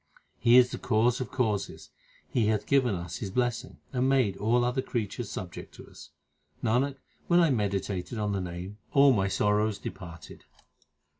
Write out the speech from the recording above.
He is the Cause of causes ; He hath given us His blessing, And made all other creatures subject to us. 358 THE SIKH RELIGION Nanak, when I meditated on the Name All my sorrows departed.